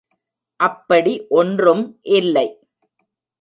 அப்படி ஒன்றும் இல்லை.